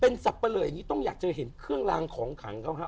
สับปะเลออย่างนี้ต้องอยากจะเห็นเครื่องลางของขังเขาฮะ